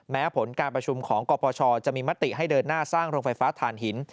แม้ผลการประชุมของกรปชจะมีมติให้เดินหน้าสร้างโรงไฟฟ้าฐานหิน